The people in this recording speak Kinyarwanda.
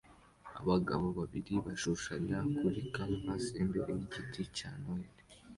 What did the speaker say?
Abagabo babiri bashushanya kuri canvass imbere yigiti cya Noheri